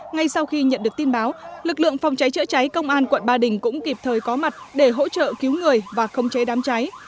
ngay sau khi nhận được tin báo lực lượng phòng cháy chữa cháy công an quận ba đình cũng kịp thời có mặt để hỗ trợ cứu người và không chế đám cháy